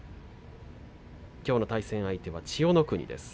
きょうの対戦相手は千代の国です。